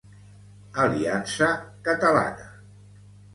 Aliança Catalana.